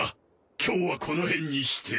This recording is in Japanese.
今日はこの辺にして。